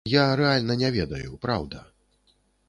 Я рэальна не ведаю, праўда.